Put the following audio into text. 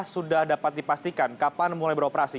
sudah dapat dipastikan kapan mulai beroperasi